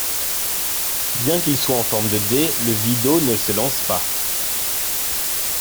Bien qu'il soit en forme de dé, le videau ne se lance pas.